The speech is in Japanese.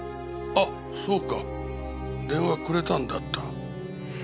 あっそうか電話くれたんだった。